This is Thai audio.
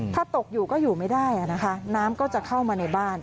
ถ้าตกอยู่ก็อยู่ไม่ได้นะคะน้ำก็จะเข้ามาในบ้าน